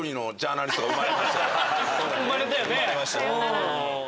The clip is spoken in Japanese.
生まれたよねうん。